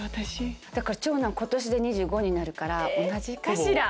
長男今年で２５になるから同じかしら？